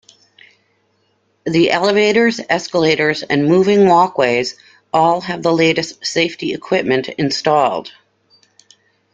The elevators, escalators and moving walkways all have the latest safety equipment installed.